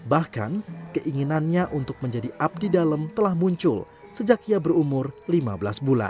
bahkan keinginannya untuk menjadi abdi dalam telah muncul sejak ia berumur lima belas bulan